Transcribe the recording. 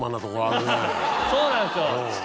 そうなんですよ